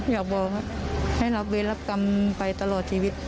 อยากบอกครับให้รับเวรรับกรรมไปตลอดชีวิต